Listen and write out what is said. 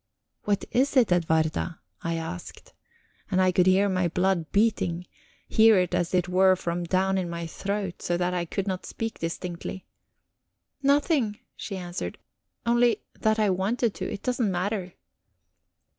"What is it, Edwarda?" I asked, and I could hear my blood beating; hear it as it were from down in my throat, so that I could not speak distinctly. "Nothing," she answered. "Only that I wanted to. It doesn't matter."